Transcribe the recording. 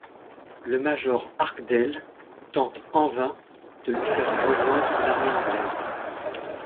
Le major Archdale tente, en vain, de lui faire rejoindre l'armée anglaise.